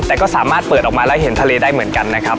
แต่ก็สามารถเปิดออกมาแล้วเห็นทะเลได้เหมือนกันนะครับ